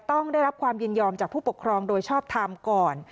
ต้องได้รับความยินยอมจากผู้ปกครองโดยชอบทำก่อน